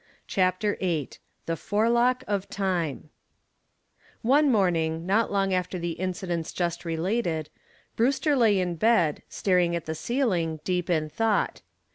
CHAPTER VIII THE FORELOCK OF TIME One morning not long after the incidents just related, Brewster lay in bed, staring at the ceiling, deep in thought.